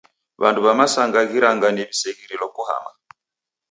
W'andu w'a masanga ghirangane w'iseghirilo kuhama.